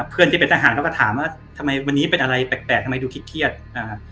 ที่เป็นทหารเขาก็ถามว่าทำไมวันนี้เป็นอะไรแปลกแปลกทำไมดูคิดเครียดอ่า